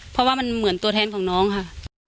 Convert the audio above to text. เพราะว่ามันเหมือนตัวแทนของน้องค่ะ